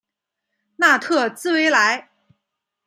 纳特兹维莱。